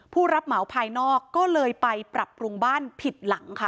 ผู้รับเหมาภายนอกก็เลยไปปรับปรุงบ้านผิดหลังค่ะ